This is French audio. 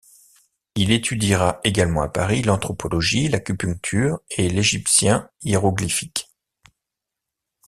Il étudiera également à Paris l'anthropologie, l'acupuncture et l'égyptien hiéroglyphique.